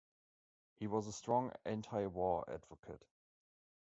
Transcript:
He was a strong anti-war advocate.